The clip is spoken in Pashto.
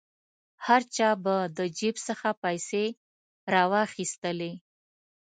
هر چا به د جیب څخه پیسې را واخیستلې.